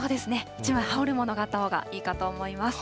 １枚羽織るものがあったほうがいいかと思います。